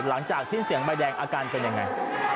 หลังจากสิ้นเสียงใบแดงอาการเป็นยังไง